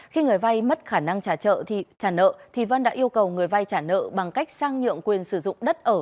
khi người vay mất khả năng trả nợ thì vân đã yêu cầu người vay trả nợ bằng cách sang nhượng quyền sử dụng đất ở